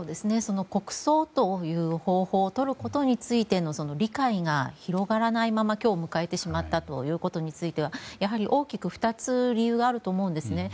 国葬という方法をとることについての理解が広がらないまま、今日を迎えてしまったことについてはやはり大きく２つ理由があると思うんですね。